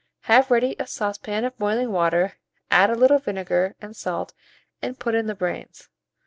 Have ready a saucepan of boiling water, add a little vinegar and salt, and put in the brains.